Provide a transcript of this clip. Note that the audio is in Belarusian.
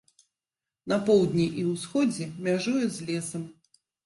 На поўдні і ўсходзе мяжуе з лесам.